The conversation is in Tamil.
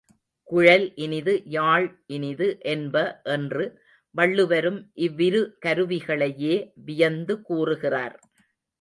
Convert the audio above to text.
குழல் இனிது யாழ் இனிது என்ப என்று வள்ளுவரும் இவ்விரு கருவிகளையே வியந்து கூறுகிறார்.